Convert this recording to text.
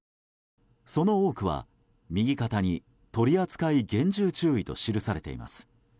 その多くは、右肩に「取扱厳重注意」と記されています。